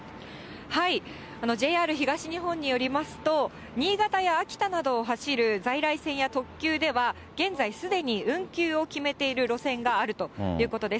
ＪＲ東日本によりますと、新潟や秋田などを走る在来線や特急では、現在、すでに運休を決めている路線があるということです。